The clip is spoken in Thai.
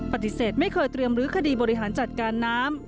ปฏิเสธไม่เคยเตรียมลื้อคดีบริหารจัดการน้ำ